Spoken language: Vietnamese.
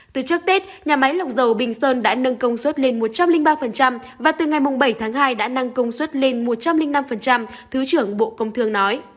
từ trước tết nhà máy lọc dầu bình sơn đã nâng công suất lên một trăm linh ba và từ ngày bảy tháng hai đã nâng công suất lên một trăm linh năm thứ trưởng bộ công thương nói